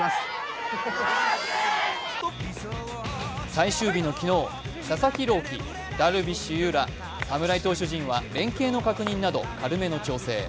最終日の昨日、佐々木朗希、ダルビッシュ有ら侍投手陣は連携の確認など軽めの調整。